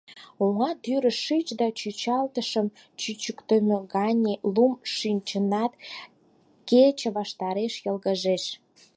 Оҥа тӱрыш ший чӱчалтышым чӱчыктымӧ гане лум шинчынат, кече ваштареш йылгыжеш.